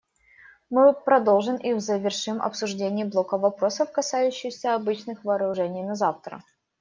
Мы продолжим и завершим обсуждение блока вопросов, касающихся обычных вооружений, завтра.